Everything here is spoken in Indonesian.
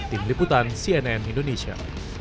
tim liputan cnn indonesia